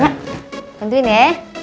nek tentuin ya